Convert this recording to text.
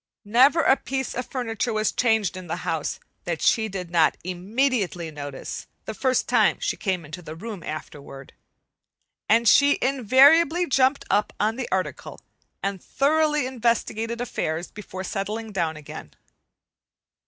Never a piece of furniture was changed in he house that she did not immediately notice, the first time she came into the room afterward; and she invariably jumped up on the article and thoroughly investigated affairs before settling down again.